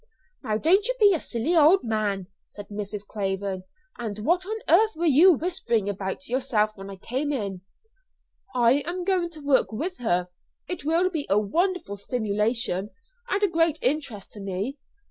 "Now don't you be a silly old man," said Mrs. Craven. "And what on earth were you whispering about to yourself when I came in?" "I am going to work with her. It will be a wonderful stimulation, and a great interest to me.